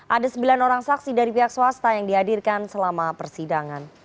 ada sembilan orang saksi dari pihak swasta yang dihadirkan selama persidangan